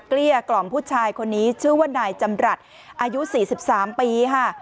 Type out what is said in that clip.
เกลี้ยกล่อมผู้ชายคนนี้ชื่อว่านายจำรัฐอายุ๔๓ปีค่ะ